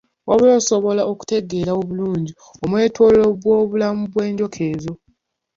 Wabula, osobola okutegeera obulungi omwetooloolo gw’obulamu bw’enjoka ezo.